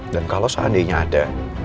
dan kalau seandainya ada